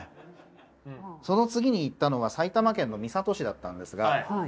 その次に行ったのが埼玉県の三郷市だったんですが。